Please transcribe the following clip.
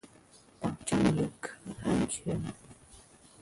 保障游客安全